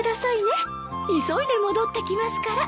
急いで戻ってきますから。